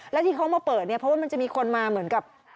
แล้วที่เขามาเปิดเนี่ยเพราะว่ามันจะมีคนมาเหมือนกับ